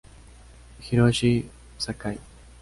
Hiroshi Sakai